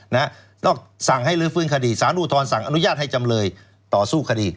นอกสั่งให้ลื้อฟื้นคดีสารอุทธรณสั่งอนุญาตให้จำเลยต่อสู้คดี